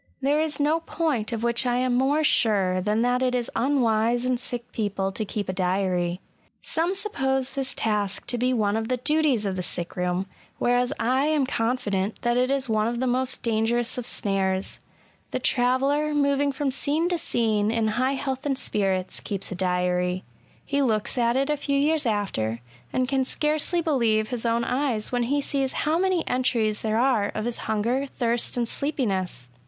There is no point of which I am more sure than that it is unwise in sick people to keep a diary. Some suppose this task to be one of the duties of the sick room ; whereas I am confident that it is one of the most dangerous of snares. The traveller, moving from scene to scene in high health and spirits, keeps a diary ; he looks at it a few years after, and can scarcely believe his own eyes when he sees how many entries there are of his* hunger, thirst, and sleepiness.